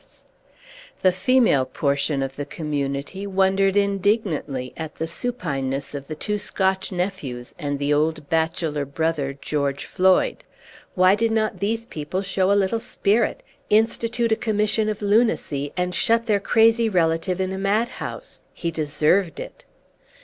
Page 5 The female portion of the community wondered indignantly at the supineness of the two Scotch nephews, and the old bachelor brother, George Floyd. Why did not these people show a little spirit institute a commission of lunacy, and shut their crazy relative in a mad house? He deserved it.